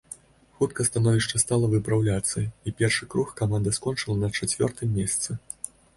Хутка становішча стала выпраўляцца, і першы круг каманда скончыла на чацвёртым месцы.